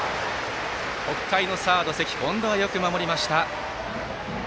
北海のサード、関今度はよく守りました。